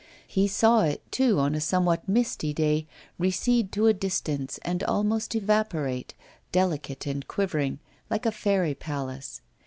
He saw it, too, on a somewhat misty day recede to a distance and almost evaporate, delicate and quivering, like a fairy palace.